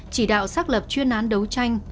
chỉ đạo xác lập chuyên án đấu tranh